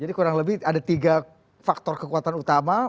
jadi kurang lebih ada tiga faktor kekuatan utama